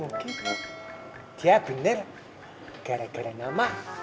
mungkin dia benar gara gara nama